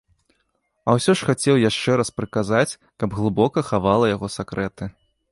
А ўсё ж хацеў яшчэ раз прыказаць, каб глыбока хавала яго сакрэты.